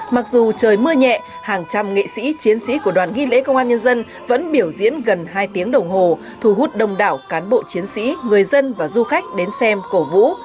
mặc dù trời mưa nhẹ hàng trăm nghệ sĩ chiến sĩ của đoàn ghi lễ công an nhân dân vẫn biểu diễn gần hai tiếng đồng hồ thu hút đông đảo cán bộ chiến sĩ người dân và du khách đến xem cổ vũ